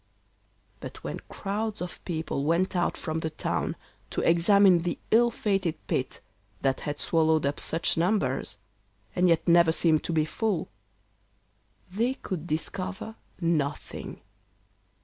But when crowds of people went out from the town to examine the ill fated pit that had swallowed up such numbers, and yet never seemed to be full, they could discover nothing.